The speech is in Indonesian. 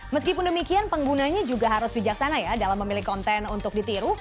meskipun demikian penggunanya juga harus bijaksana ya dalam memilih konten untuk ditiru